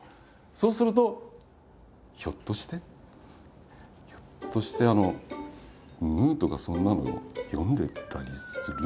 そうすると「ひょっとしてひょっとして『ムー』とかそんなの読んでたりする？」